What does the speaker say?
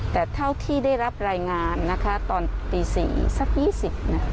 แต่เท่าที่ได้รับรายงานนะคะตอนตี๔สัก๒๐นาที